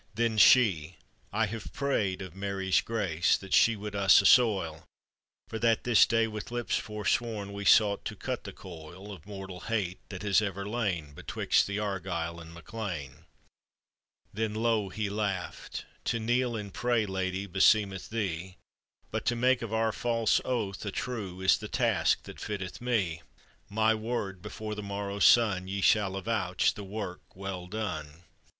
Then she: "I have prayed of Mary's grace That she would us assoil For that this day with lips forsworn We sought to cut the coil Of mortal hate that has ever lain Betwixt the Argyle and MacLean." Then low he laughed: " To kneel and pray, Lady, beseemeth thee, But to make of our false oath a true Is the task that fitteth me; My word, before the morrow's sun, You shall avouch the work well done."